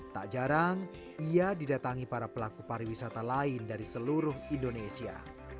tak jarang ia didatangi para pelaku pariwisata lain dari seluruh indonesia